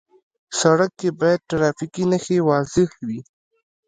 سړک کې باید ټرافیکي نښې واضح وي.